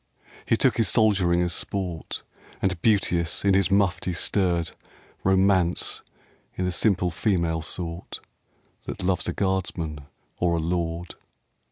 He took his soldiering as sport, And beauteous in his mufti stirred Romance i' the simple female sort That loves a guardsman or a lord.